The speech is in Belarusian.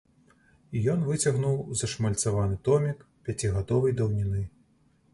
І ён выцягнуў зашмальцаваны томік пяцігадовай даўніны.